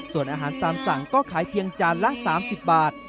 ส่วนอาหารตามสั่งก็ขายเพียงจานละ๓๐บาท